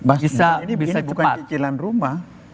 bisa bukan cicilan rumah